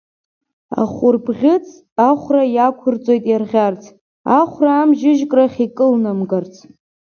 Ахәырбӷьыц ахәра иақәырҵоит иарӷьарц, ахәра амжьыжькрахь икылнамгарц.